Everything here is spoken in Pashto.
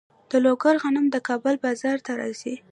د لوګر غنم د کابل بازار ته راځي.